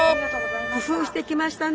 工夫してきましたね。